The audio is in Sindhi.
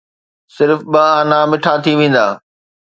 صرف ٻه آنا مٺا ٿي ويندا